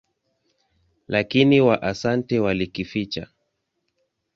Lakini Waasante walikificha.